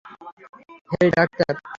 হেই, doctor!